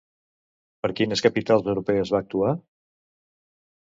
Per quines capitals europees va actuar?